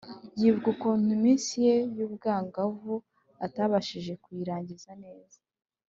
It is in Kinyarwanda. yibuka ukuntu iminsi ye y’ubwangavu atabashije kuyirangiza neza,